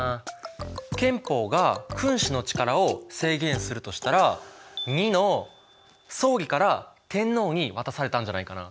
憲法が君主の力を制限するとしたら②の総理から天皇に渡されたんじゃないかな。